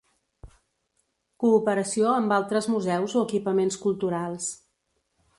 Cooperació amb altres museus o equipaments culturals.